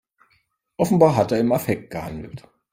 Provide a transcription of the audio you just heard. Offenbar hat er im Affekt gehandelt.